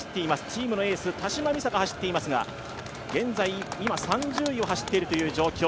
チームのエース、田島美沙が走っていますが、現在今３０位を走っている状況。